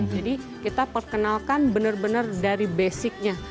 jadi kita perkenalkan benar benar dari basicnya